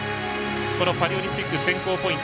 パリオリンピック選考ポイント